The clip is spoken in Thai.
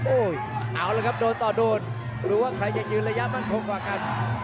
เอาละครับโดนต่อโดนดูว่าใครจะยืนระยะมั่นคงกว่ากัน